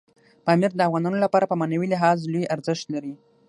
پامیر د افغانانو لپاره په معنوي لحاظ لوی ارزښت لري.